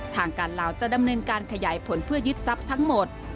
ทางการลาวจะดำเนินการขยายผลเพื่อยึดทรัพย์ทั้งหมด